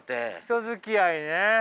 人づきあいね！